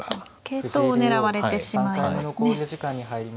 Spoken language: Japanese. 桂頭を狙われてしまいますね。